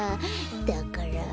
だから。